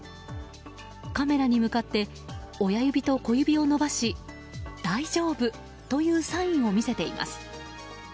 カメラに向かって親指と小指を伸ばし大丈夫というサインを見せています。